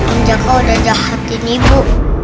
om jaka udah jahatin ibu